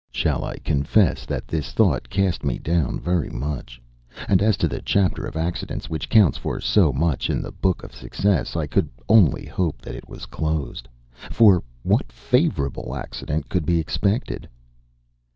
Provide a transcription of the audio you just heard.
Shall I confess that this thought cast me down very much? And as to the chapter of accidents which counts for so much in the book of success, I could only hope that it was closed. For what favorable accident could be expected?